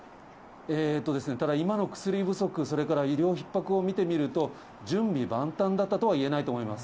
ただ、今の薬不足、それから医療ひっ迫を見てみると、準備万端だったとはいえないと思います。